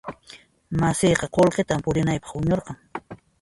Masiyqa qullqita purinanpaq huñuran.